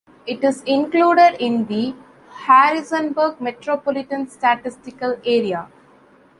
It is included in the Harrisonburg Metropolitan Statistical Area.